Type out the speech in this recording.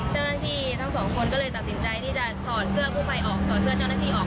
เจ้าหน้าที่ทั้งสองคนก็เลยตัดสินใจที่จะถอดเสื้อกู้ภัยออกถอดเสื้อเจ้าหน้าที่ออก